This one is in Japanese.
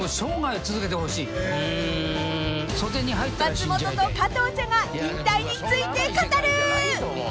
［松本と加藤茶が引退について語る！］